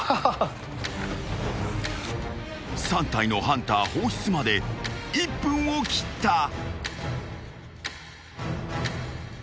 ［３体のハンター放出まで１分を切った］